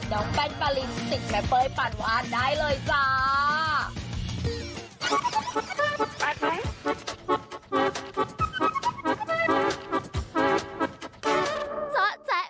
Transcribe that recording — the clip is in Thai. น้องแป้งปาลินสิ่งแม่เป้ยปั่นวานได้เลยจ้า